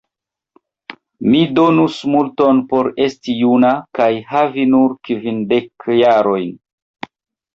Mi donus multon por esti juna kaj havi nur kvindek jarojn.